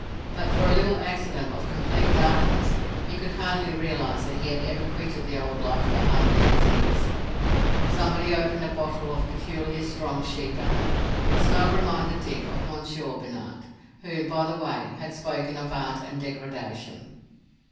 But for a little accident of complete darkness he could hardly realise that he had ever quitted the old life that hummed in his ears. Somebody opened a bottle of peculiarly strong Schiedam. The smell reminded Dick of Monsieur Binat, who, by the way, had spoken of art and degradation.